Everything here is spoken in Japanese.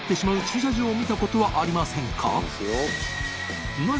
車場を見たことはありませんか？